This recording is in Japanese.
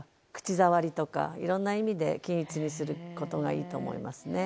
いろんな意味で均一にすることがいいと思いますね。